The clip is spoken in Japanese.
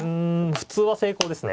普通は成功ですね。